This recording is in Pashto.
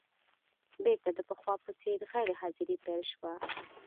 بېرته د پخوا په څېر غیر حاضري پیل شوه.